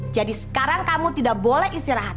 jadi sekarang kamu tidak boleh istirahat